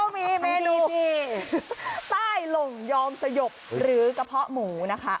มีเมนูที่ใต้หลงยอมสยบหรือกระเพาะหมูนะคะ